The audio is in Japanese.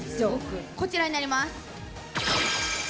こちらになります。